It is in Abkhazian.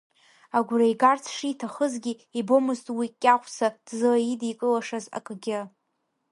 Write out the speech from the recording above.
Агәра игарц шиҭахызгьы, ибомызт уи Кьаӷәса дызлаидикылашаз акгьы.